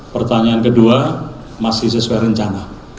pertanyaan kedua masih sesuai rencana